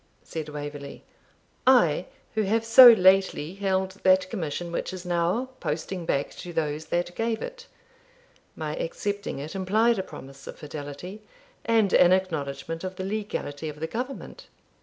said Waverley; 'I, who have so lately held that commission which is now posting back to those that gave it? My accepting it implied a promise of fidelity, and an acknowledgment of the legality of the government.'